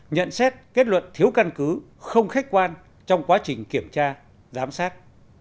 nhận xét kết luận thiếu căn cứ không khách quan trong quá trình kiểm tra giám sát